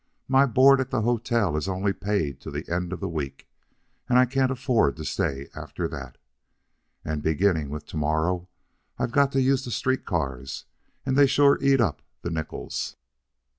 My board at the hotel is only paid to the end of the week, and I can't afford to stay after that. And beginning with to morrow I've got to use the street cars, and they sure eat up the nickels."